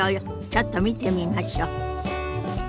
ちょっと見てみましょ。